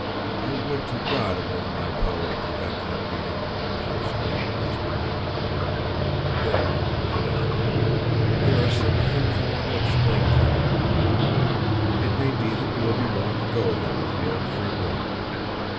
"I would to God it were in my power to prevent that meeting!" she exclaimed desperately. Then, with an effort: "There are some things I want to explain to you. It may be that you will be willing to go then of your own free will.